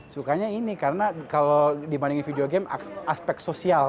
sukanya ini karena kalau dibandingin video game aspek sosial